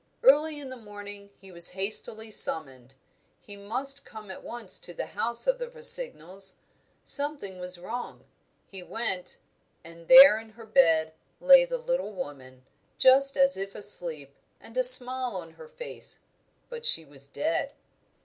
Early in the morning he was hastily summoned; he must come at once to the house of the Rossignols; something was wrong. He went, and there, in her bed, lay the little woman, just as if asleep, and a smile on her face but she was dead."